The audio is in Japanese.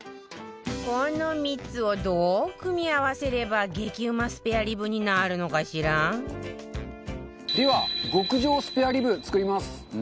この３つをどう組み合わせれば激うまスペアリブになるのかしら？では極上スペアリブ作ります。